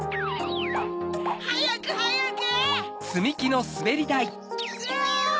はやくはやく！わい！